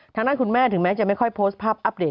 ทางด้านคุณแม่ถึงแม้จะไม่ค่อยโพสต์ภาพอัปเดต